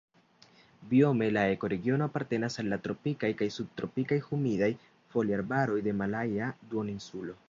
Biome la ekoregiono apartenas al la tropikaj kaj subtropikaj humidaj foliarbaroj de Malaja Duoninsulo.